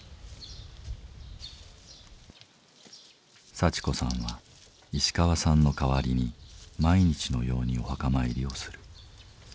早智子さんは石川さんの代わりに毎日のようにお墓参りをする。